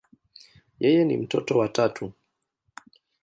Yeye ni mtoto wa tatu.